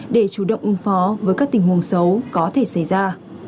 để chủ động ứng phó với các tình huống xấu có thể xảy ra